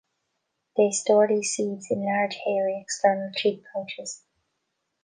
They store these seeds in large hairy external cheek pouches.